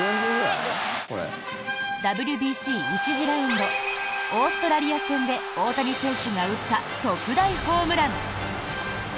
ＷＢＣ１次ラウンドオーストラリア戦で大谷選手が打った特大ホームラン。